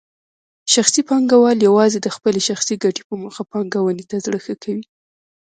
شخصي پانګوال یوازې د خپلې شخصي ګټې په موخه پانګونې ته زړه ښه کوي.